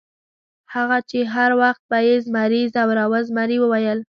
هغه چې هر وخت به یې زمري ځوراوه، زمري وویل.